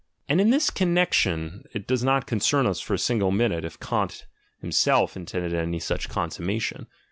— And in this connection it does not concern us for a single minute, if Kant him self intended any such consummation.